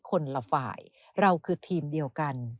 คนละฝ่ายเราคือทีมเดียวกัน